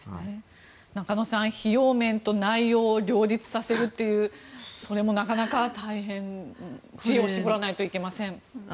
中野さん費用面と内容を両立させるというそれもなかなか大変知恵を絞らないといけません。